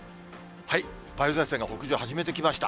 梅雨前線が北上を始めてきました。